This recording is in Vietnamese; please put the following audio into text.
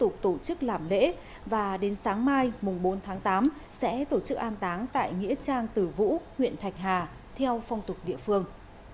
công an tỉnh lâm đồng đã tổ chức làm lễ và đến sáng mai bốn tháng tám sẽ tổ chức an táng tại nghĩa trang tử vũ huyện thạch hà theo phong tục địa phương